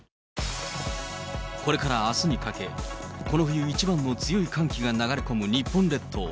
これからあすにかけ、この冬一番の強い寒気が流れ込む日本列島。